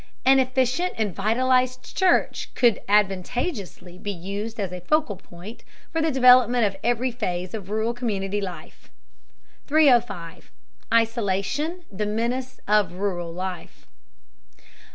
An efficient and vitalized church could advantageously be used as a focal point for the development of every phase of rural community life. 305. ISOLATION THE MENACE OF RURAL LIFE.